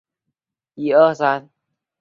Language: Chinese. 白梭梭为苋科梭梭属的植物。